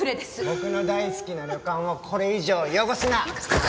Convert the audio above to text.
僕の大好きな旅館をこれ以上汚すな。